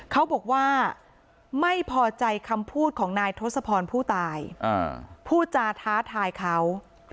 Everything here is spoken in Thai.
เขาบอกว่าไม่พอใจคำพูดของนายทศพรผู้ตายพูดจาท้าทายเขา